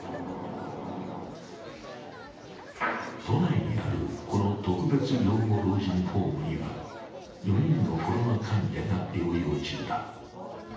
都内にあるこの特別養護老人ホームには４人のコロナ患者が療養中だ。